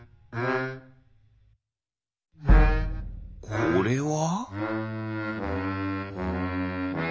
これは？